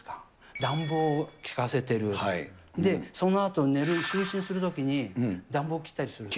暖房を効かせてる、で、そのあと寝る、就寝するときに、暖房切ったりする。